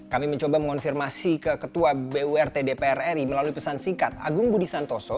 kami mencoba mengonfirmasi ke ketua burt dpr ri melalui pesan singkat agung budi santoso